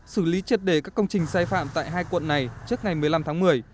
xử lý triệt đề các công trình sai phạm tại hai quận này trước ngày một mươi năm tháng một mươi